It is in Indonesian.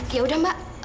ya udah mbak